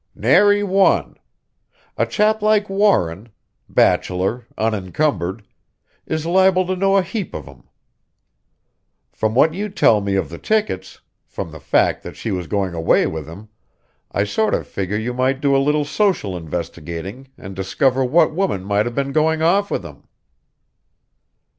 "Nary one. A chap like Warren bachelor, unencumbered is liable to know a heap of 'em. From what you tell me of the tickets from the fact that she was going away with him, I sort of figure you might do a little social investigating and discover what woman might have been going off with him."